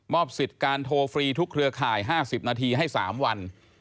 สิทธิ์การโทรฟรีทุกเครือข่าย๕๐นาทีให้๓วัน